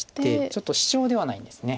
ちょっとシチョウではないんです。